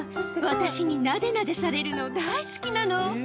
私になでなでされるの大好きなの」